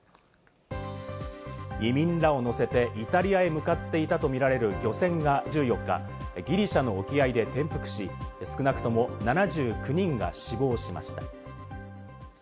移民らを乗せてイタリアへ向かっていたとみられる漁船が１４日ギリシャの沖合で転覆し、少なくとも７９人が死亡しました。